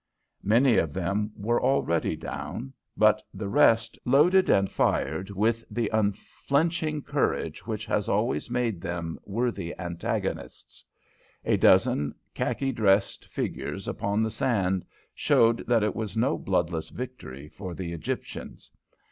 Many of them were already down, but the rest loaded and fired with the unflinching courage which has always made them worthy antagonists. A dozen kharki dressed figures upon the sand showed that it was no bloodless victory for the Egyptians.